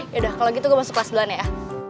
ya udah kalau gitu gue masuk kelas duluan ya